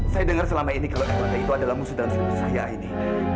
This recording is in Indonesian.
saya dengar selama ini kalau erlanda itu adalah musuh dalam sebuah percaya aini